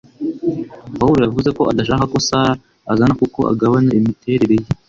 Pawulo yavuze ko adashaka ko Sara azana kuko agabanya imiterere ye